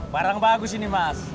barang bagus ini mas